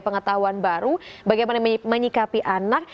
pengetahuan baru bagaimana menyikapi anak